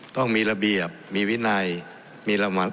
ต้องมีระเบียบมีวินัยมีรางวัล